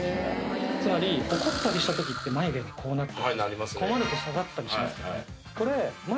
つまり怒ったりした時って眉毛がこうなったり困ると下がったりしますよね